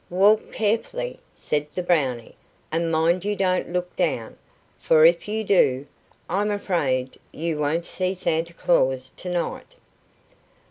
"Walk carefully," said the Brownie, "and mind you don't look down; for if you do, I'm afraid you won't see Santa Claus to night."